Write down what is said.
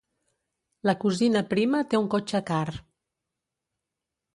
"La cosina prima té un cotxe car".